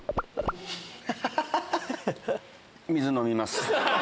水飲みます。